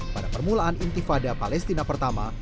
pada permulaan intifada palestina pertama